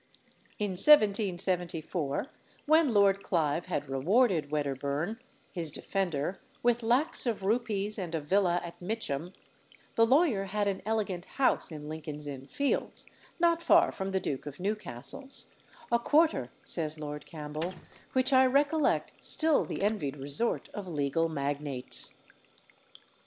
In 1774, when Lord Clive had rewarded Wedderburn, his defender, with lacs of rupees and a villa at Mitcham, the lawyer had an elegant house in Lincoln's Inn Fields, not far from the Duke of Newcastle's, "a quarter," says Lord Campbell, "which I recollect still the envied resort of legal magnates."